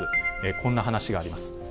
こんな話があります。